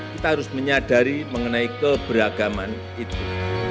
kita harus menyadari mengenai keberagaman itu